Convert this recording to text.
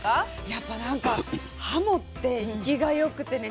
やっぱなんかはもって生きが良くてね